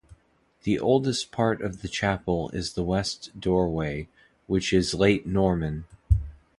The oldest part of the chapel is the west doorway, which is late Norman.